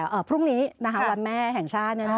ตั้งแต่พรุ่งนี้วันแม่แห่งชาติ